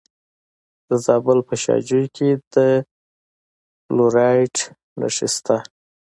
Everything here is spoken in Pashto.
د زابل په شاجوی کې د فلورایټ نښې شته.